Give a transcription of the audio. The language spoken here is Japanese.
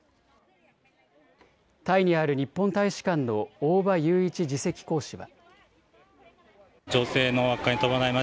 タイにある日本大使館の大場雄一次席公使は。